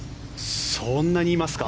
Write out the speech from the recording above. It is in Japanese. そんなにいますか。